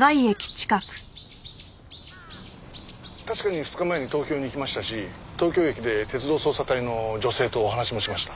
確かに２日前に東京に行きましたし東京駅で鉄道捜査隊の女性とお話もしました。